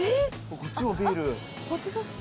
こっちもビール。